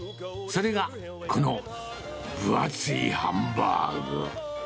それがこの分厚いハンバーグ。